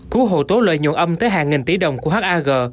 cứu hộ tố lợi nhuận âm tới hàng nghìn tỷ đồng của hag